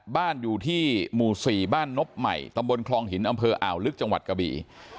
บ้านอยู่ที่หมู่๔บ้านนบใหม่ตำบลคลองหินอำเภออ่าวลึกจังหวัดกะบี่